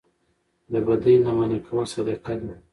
د بدۍ نه منع کول صدقه ده